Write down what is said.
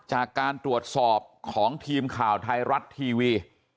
จากการตรวจสอบของทีมข่าวไทยรัฐทีวี